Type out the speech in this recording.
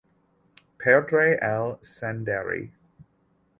Perdre el senderi.